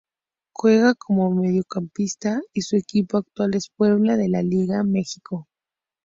Juega como mediocampista y su equipo actual es Puebla de la Liga Mx.